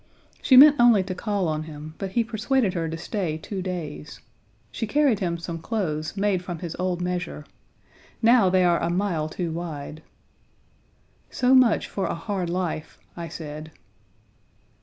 She meant only to call on him, but he persuaded her to stay two days. She carried him some clothes made from his old measure. Now they are a mile too wide. "So much for a hard life!" I said.